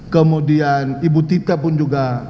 kemudian ibu tita pun juga